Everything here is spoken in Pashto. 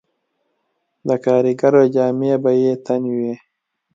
د کاریګرو جامې به یې تن وې